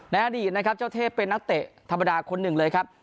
อดีตนะครับเจ้าเทพเป็นนักเตะธรรมดาคนหนึ่งเลยครับ